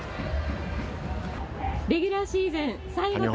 レギュラーシーズン最後と。